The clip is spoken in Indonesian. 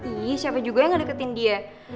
ih siapa juga yang gak deketin dia